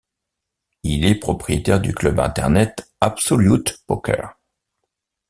Il est propriétaire du club Internet Absolute Poker.